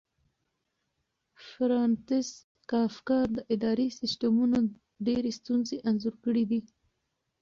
فرانتس کافکا د اداري سیسټمونو ډېرې ستونزې انځور کړې دي.